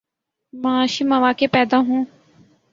معاشی مواقع پیدا ہوں۔